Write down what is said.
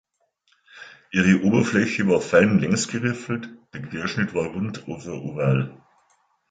Ihre Oberfläche war fein längs geriffelt, der Querschnitt war rund oder oval.